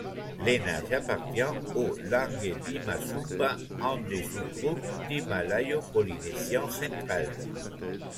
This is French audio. Le nage appartient aux langues bima-sumba, un des sous-groupes du malayo-polynésien central.